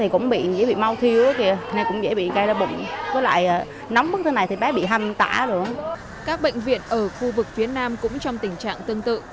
các bệnh viện ở khu vực phía nam cũng trong tình trạng tương tự